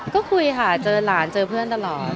ก็คุยค่ะเจอหลานเจอเพื่อนตลอด